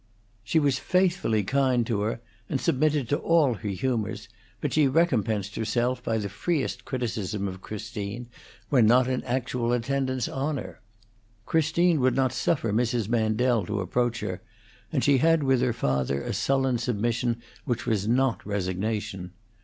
She was faithfully kind to her, and submitted to all her humors, but she recompensed herself by the freest criticism of Christine when not in actual attendance on her. Christine would not suffer Mrs. Mandel to approach her, and she had with her father a sullen submission which was not resignation.